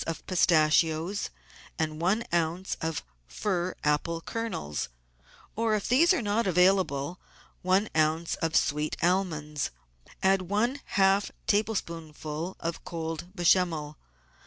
of pistachios and one oz. of fir apple kernels, or, if these are not available, one oz. of sweet almonds; add one half table spoonful of cold Bechamel.